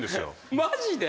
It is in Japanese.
マジで？